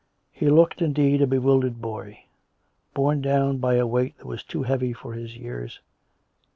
He looked, indeed, a bewildered boy, borne down by a weight that was too heavy for his years.